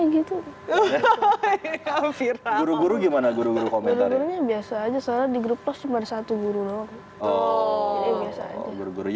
gitu hahaha guru guru gimana guru guru komentar biasa aja soalnya di grup lo cuma satu guru guru